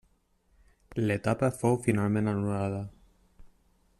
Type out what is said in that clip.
L'etapa fou finalment anul·lada.